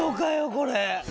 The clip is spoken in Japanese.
これ。